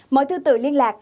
mọi thứ tự liên lạc